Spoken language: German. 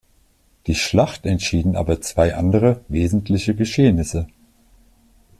Die Schlacht entschieden aber zwei andere wesentliche Geschehnisse.